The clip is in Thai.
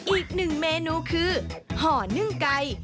อีก๑เมนูคือห่อนึ่งไก่